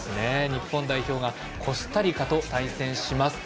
日本代表がコスタリカと対戦します。